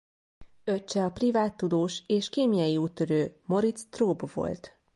Öccse a privát tudós és kémiai úttörő Moritz Traube volt.